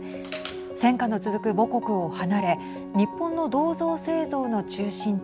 戦禍の続く母国を離れ日本の銅像製造の中心地